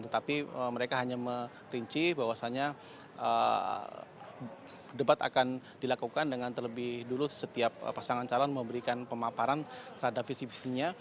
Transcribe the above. tetapi mereka hanya merinci bahwasannya debat akan dilakukan dengan terlebih dulu setiap pasangan calon memberikan pemaparan terhadap visi visinya